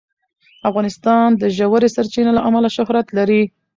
افغانستان د ژورې سرچینې له امله شهرت لري.